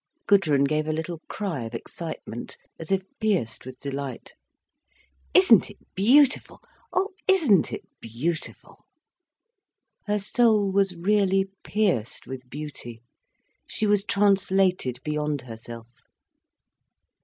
Gudrun gave a little cry of excitement, as if pierced with delight. "Isn't it beautiful, oh, isn't it beautiful!" Her soul was really pierced with beauty, she was translated beyond herself.